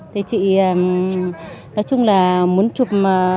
thì chị nói chung là muốn chụp